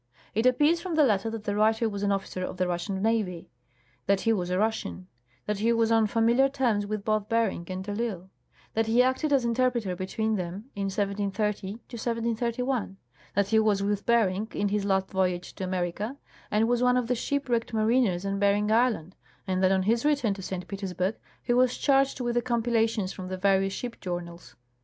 It appears from the letter that the writer was an officer of the Russian navy ; that he was a Russian ; that he was on familiar terms with both Bering and de I'Isle ; that he acted as interpreter betAveen them in 1730 1731 ; that he was with Bering in his last voyage to America, and was one of the ship wrecked mariners on Bering island, and that on his return to St. Petersburg he was charged with the compilations from the various shi^D journals.